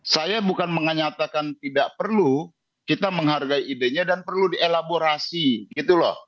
saya bukan mengatakan tidak perlu kita menghargai idenya dan perlu dielaborasi gitu loh